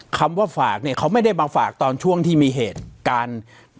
คำว่าฝากเนี่ยเขาไม่ได้มาฝากตอนช่วงที่มีเหตุการณ์